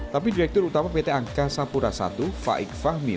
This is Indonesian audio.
tapi direktur utama pt angka sapura i faik fahmi